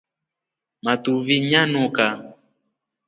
Matuvi nyanuka.